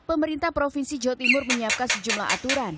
pemerintah provinsi jawa timur menyiapkan sejumlah aturan